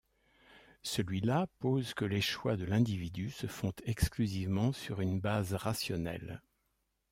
Celui-là pose que les choix de l'individu se font exclusivement sur une base rationnelle.